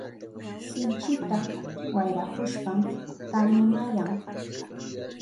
Sinchita wayrahushpan tamyanayan.